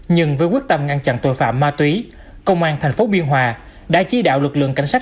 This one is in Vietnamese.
nhưng với quyết tâm ngăn chặn tội phạm ma túy công an thành phố biên hòa đã chỉ đạo lực lượng cảnh sát